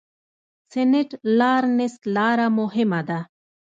سینټ لارنس لاره مهمه ده.